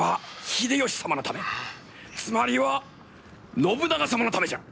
つまりは信長様のためじゃ！